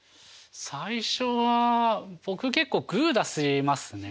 最初は僕結構グー出しますね。